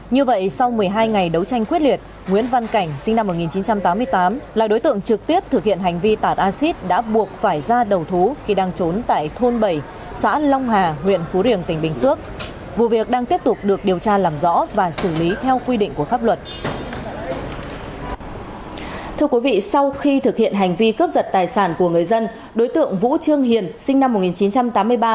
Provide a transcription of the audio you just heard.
thưa quý vị sau khi thực hiện hành vi cướp giật tài sản của người dân đối tượng vũ trương hiền sinh năm một nghìn chín trăm tám mươi ba